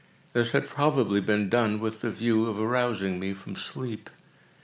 This had probably been done with the view of arousing me from sleep.